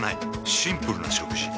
シンプルな食事。